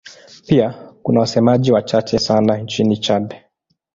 Pia kuna wasemaji wachache sana nchini Chad.